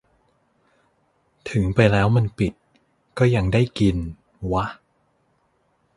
ถึงไปแล้วมันปิด ก็ยังได้กิน วะ